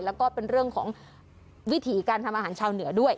แล้วก็เป็นเรื่องของวิถีการทำอาหารชาวเหนือด้วย